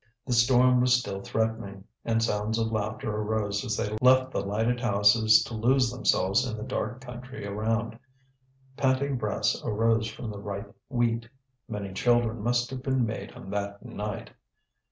The storm was still threatening, and sounds of laughter arose as they left the lighted houses to lose themselves in the dark country around. Panting breaths arose from the ripe wheat; many children must have been made on that night.